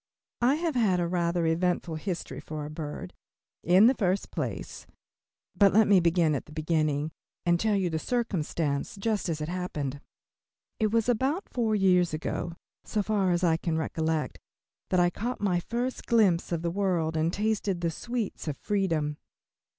I have had a rather eventful history for a bird. In the first place but let me begin at the beginning and tell you the circumstance just as it happened. It was about four years ago, so far as I can recollect, that I caught my first glimpse of the world and tasted the sweets of freedom.